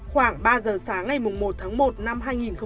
khoảng ba giờ sáng ngày một tháng một năm hai nghìn hai mươi